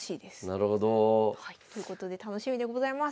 なるほど。ということで楽しみでございます。